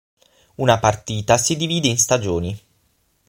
Una partita si divide in stagioni.